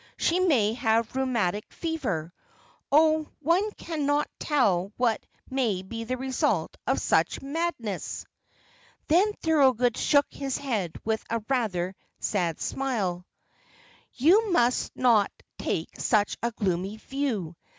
She may have rheumatic fever. Oh, one cannot tell what may be the result of such madness." Then Thorold shook his head with rather a sad smile. "You must not take such a gloomy view.